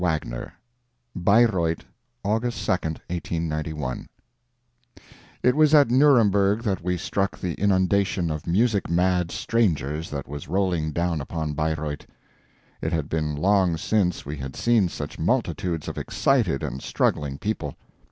WAGNER Bayreuth, Aug. 2d, 1891 It was at Nuremberg that we struck the inundation of music mad strangers that was rolling down upon Bayreuth. It had been long since we had seen such multitudes of excited and struggling people.